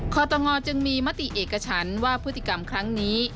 ตงจึงมีมติเอกฉันว่าพฤติกรรมครั้งนี้